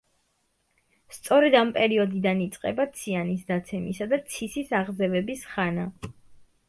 სწორედ ამ პერიოდიდან იწყება ციანის დაცემისა და ცისის აღზევების ხანა.